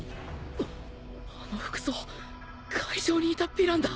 あっあの服装会場にいたヴィランだ。